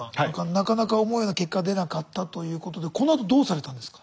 なかなか思うような結果が出なかったということでこのあとどうされたんですか？